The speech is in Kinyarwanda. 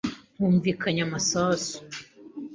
Humvikanye amasasu.